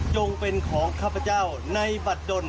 งเป็นของข้าพเจ้าในบัตรดน